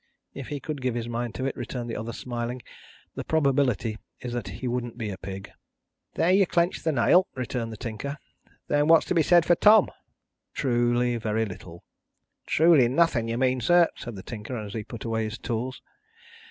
"If he could give his mind to it," returned the other, smiling, "the probability is that he wouldn't be a pig." "There you clench the nail," returned the Tinker. "Then what's to be said for Tom?" "Truly, very little." "Truly nothing you mean, sir," said the Tinker, as he put away his tools.